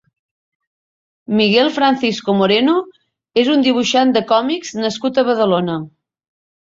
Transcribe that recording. Miguel Francisco Moreno és un dibuixant de còmics nascut a Badalona.